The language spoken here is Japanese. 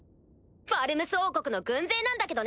ファルムス王国の軍勢なんだけどね！